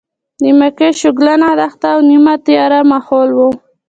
د مکې شګلنه دښته او نیمه تیاره ماحول و.